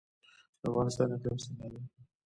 د افغانستان اقلیم څنګه دی؟